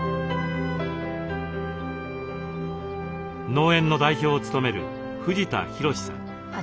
農園の代表を務める藤田博司さん。